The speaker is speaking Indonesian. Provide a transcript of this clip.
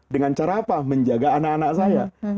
dengan cara apa menjaga anak anak saya